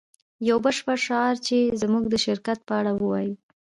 یو بشپړ شعار چې زموږ د شرکت په اړه ووایی